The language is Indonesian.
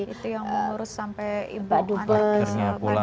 itu yang mengurus sampai ibu anaknya